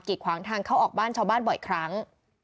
ขวางทางเข้าออกบ้านชาวบ้านบ่อยครั้ง